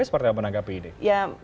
seperti apa menanggapi ini